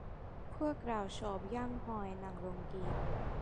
พวกเราชอบย่างหอยนางรมกิน